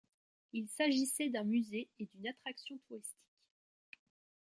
Il s'agissait d'un musée et d'une attraction touristique.